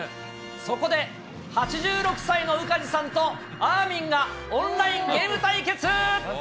そこで、８６歳の宇梶さんとあーみんがオンラインゲーム対決。